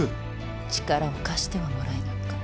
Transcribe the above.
力を貸してはもらえぬか？